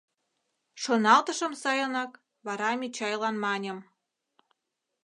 Шоналтышым сайынак, вара Мичайлан маньым: